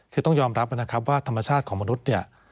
คือต้องยอมรับนะครับว่าธรรมชาติของมนุษย์เนี่ย